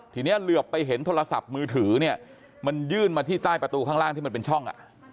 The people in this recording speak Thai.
ทีนี้เหลือไปเห็นโทรศัพท์มือถือเนี่ยมันยื่นมาที่ใต้ประตูข้างล่างที่มันเป็นช่อง